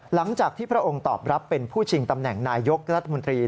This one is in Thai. หลังจากที่พระองค์ตอบรับเป็นผู้ชิงตำแหน่งนายยกรัฐมนตรี